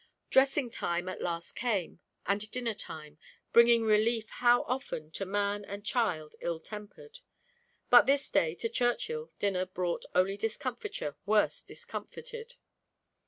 Dressing time at last came, and dinner time, bringing relief how often to man and child ill tempered; but, this day to Churchill dinner brought only discomfiture worse discomfited.